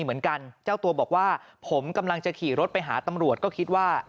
เหมือนกันเจ้าตัวบอกว่าผมกำลังจะขี่รถไปหาตำรวจก็คิดว่า